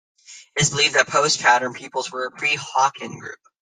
It is believed that Post Pattern peoples were a pre-Hokan group.